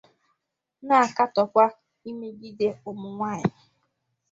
na-akatọkwa imegide ụmụnwaanyị